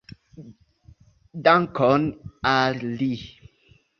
Dankon al li!